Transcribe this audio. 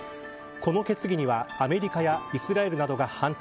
この決議にはアメリカやイスラエルなどが反対